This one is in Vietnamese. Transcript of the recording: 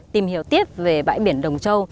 tìm hiểu tiếp về bãi biển đồng châu